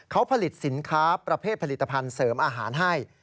เขาผลิตสินค้าประเภทผลิตภัณฑ์เสริมอาหารให้